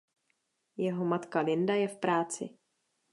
Jeho matka Linda je v práci.